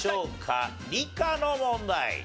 理科の問題。